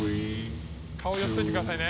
顔やっといてくださいね。